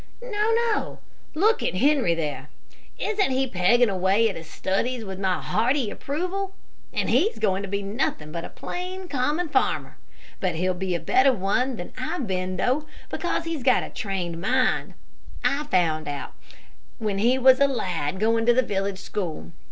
"No, no; look at Harry there. Isn't he pegging away at his studies with my hearty approval? and he's going to be nothing but a plain, common farmer. But he'll be a better one than I've been though, because he's got a trained mind. I found that out when he was a lad going to the village school.